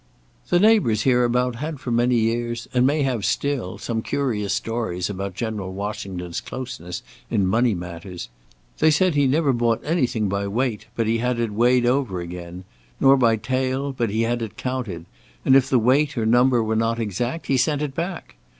"The neighbours hereabout had for many years, and may have still, some curious stories about General Washington's closeness in money matters. They said he never bought anything by weight but he had it weighed over again, nor by tale but he had it counted, and if the weight or number were not exact, he sent it back.